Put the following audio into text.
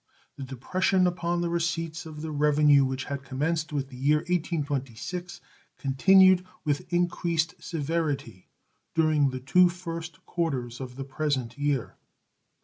The depression upon the receipts of the revenue which had commenced with the year 1826 continued with increased severity during the two first quarters of the present year.